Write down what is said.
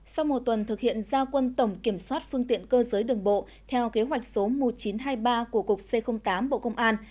sau một tuần thực hiện gia quân tổng kiểm soát phương tiện cơ giới đường bộ theo kế hoạch số một nghìn chín trăm hai mươi ba của cục c tám bộ công an